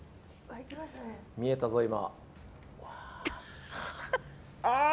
見えたぞ、今。